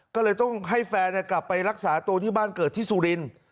ก็เลยต้องให้แฟนกลับไปรักษาตัวที่บ้านเกิดที่สุรินทร์